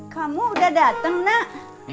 kamu udah dateng nak